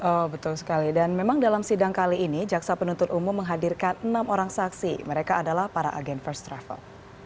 oh betul sekali dan memang dalam sidang kali ini jaksa penuntut umum menghadirkan enam orang saksi mereka adalah para agen first travel